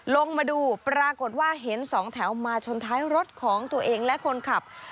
ลงมาดูปรากฏว่าเห็นสองแถวมาชนท้ายรถของตัวเองและคนขับ